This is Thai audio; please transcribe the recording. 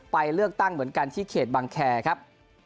ไปเลือกตั้งเหมือนกันที่เขตบังแคร์ครับ